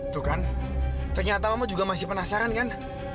tuh kan ternyata mama juga masih penasaran kan